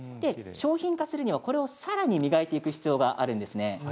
商品化するには、これをさらに磨いていく必要があるんです。